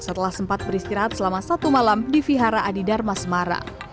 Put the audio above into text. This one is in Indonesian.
setelah sempat beristirahat selama satu malam di vihara adi dharma semarang